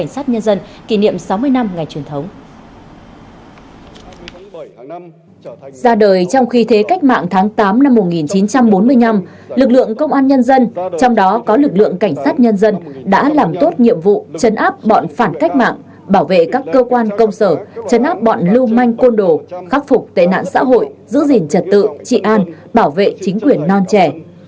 sau khi thế cách mạng tháng tám năm một nghìn chín trăm bốn mươi năm lực lượng công an nhân dân trong đó có lực lượng cảnh sát nhân dân đã làm tốt nhiệm vụ chấn áp bọn phản cách mạng bảo vệ các cơ quan công sở chấn áp bọn lưu manh côn đồ khắc phục tế nạn xã hội giữ gìn trật tự trị an bảo vệ chính quyền non trẻ